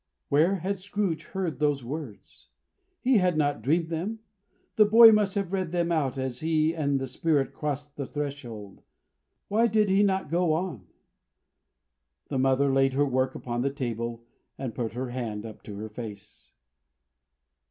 '" Where had Scrooge heard those words? He had not dreamed them. The boy must have read them out, as he and the Spirit crossed the threshold. Why did he not go on? The mother laid her work upon the table, and put her hand up to her face.